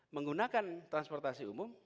menggunakan transportasi umum